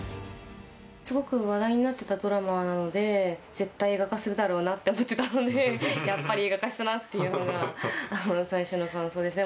すごく話題になっていたドラマなので絶対映画化するだろうなって思ってたのでやっぱり映画化したなっていうのが最初の感想ですね。